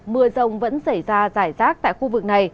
mưa rông vẫn xảy ra giải rác tại khu vực này